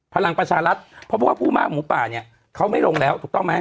พลังประชารัฐเพราะว่าผู้มากหมูป่าเนี่ยเขาไม่ลงแล้วถูกต้องไหม